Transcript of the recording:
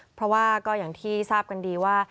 เพราะว่าก็อย่างที่ทราบกันดีว่า